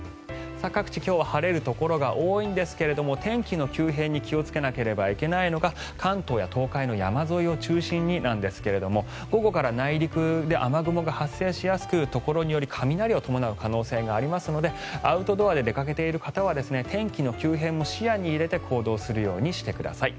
各地、今日は晴れるところが多いんですが天気の急変に気をつけなければいけないのが関東や東海の山沿いを中心になんですが午後から内陸で雨雲が発生しやすくところにより雷を伴う可能性がありますのでアウトドアで出かけている方は天気の急変も視野に入れて行動するようにしてください。